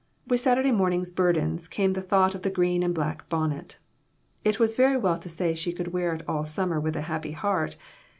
With Saturday morning's burdens came the thought of the green and black bonnet. It was very well to say she could wear it all summer with a happy heart.